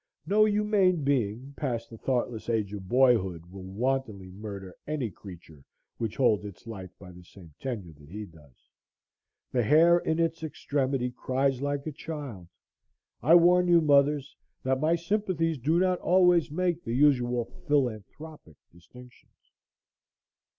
No humane being, past the thoughtless age of boyhood, will wantonly murder any creature which holds its life by the same tenure that he does. The hare in its extremity cries like a child. I warn you, mothers, that my sympathies do not always make the usual phil anthropic distinctions.